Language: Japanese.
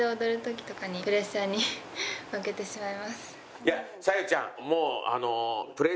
いや沙雪ちゃん